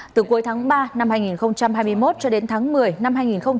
từ cuối tháng ba năm hai nghìn hai mươi một cho đến tháng một mươi năm hai nghìn hai mươi ba